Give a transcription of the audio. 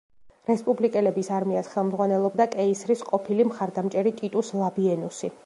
რესპუბლიკელების არმიას ხელმძღვანელობდა კეისრის ყოფილი მხარდამჭერი ტიტუს ლაბიენუსი.